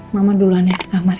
mama duluan ya ke kamar ya